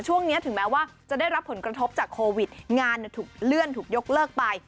ถึงแม้ว่าจะได้รับผลกระทบจากโควิดงานถูกเลื่อนถูกยกเลิกไป